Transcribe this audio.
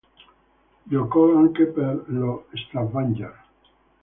Giocò anche per lo Stavanger.